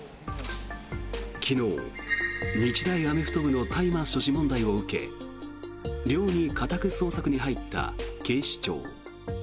昨日、日大アメフト部の大麻所持問題を受け寮に家宅捜索に入った警視庁。